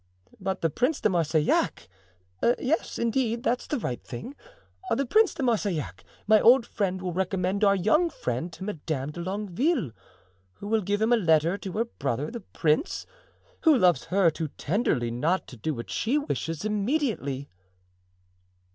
But the Prince de Marsillac! Yes, indeed, that's the right thing. The Prince de Marsillac—my old friend—will recommend our young friend to Madame de Longueville, who will give him a letter to her brother, the prince, who loves her too tenderly not to do what she wishes immediately."